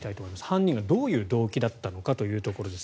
犯人がどういう動機だったのかというところです。